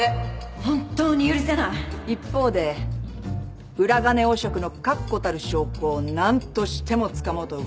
本当に許せない一方で裏金汚職の確固たる証拠を何としてもつかもうと動いてた。